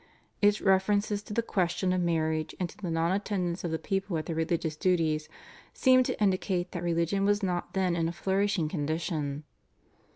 Its references to the question of marriage and to the non attendance of the people at their religious duties seem to indicate that religion was not then in a flourishing condition.